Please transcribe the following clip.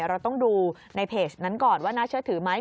เราต้องดูในเพจนั้นก่อนว่าน่าเชื่อถือไหม